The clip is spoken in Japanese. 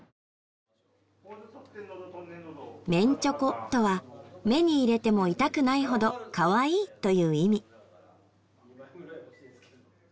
「めんちょこ」とは「目に入れても痛くないほどかわいい」という意味。